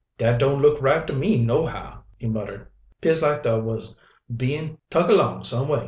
"Dat don't look right to me, nohow!" he muttered. "'Pears lak da was bein' tuk along sumway!"